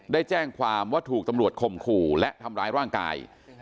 ได้แจ้งความว่าถูกตำรวจข่มขู่และทำร้ายร่างกาย